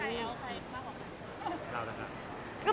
เราต่าง